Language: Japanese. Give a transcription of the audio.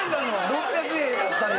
６００円やったんや。